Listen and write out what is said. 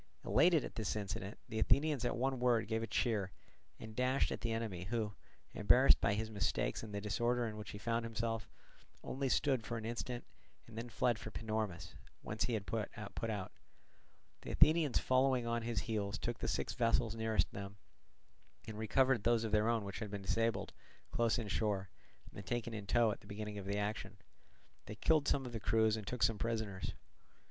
Elated at this incident, the Athenians at one word gave a cheer, and dashed at the enemy, who, embarrassed by his mistakes and the disorder in which he found himself, only stood for an instant, and then fled for Panormus, whence he had put out. The Athenians following on his heels took the six vessels nearest them, and recovered those of their own which had been disabled close inshore and taken in tow at the beginning of the action; they killed some of the crews and took some prisoners.